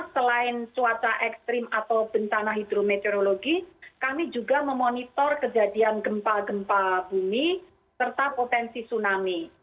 selain cuaca ekstrim atau bencana hidrometeorologi kami juga memonitor kejadian gempa gempa bumi serta potensi tsunami